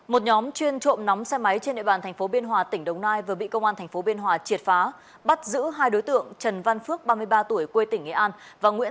một nhóm chuyên trộm nóng xe máy trên nội bàn thành phố biên hòa tỉnh đồng tây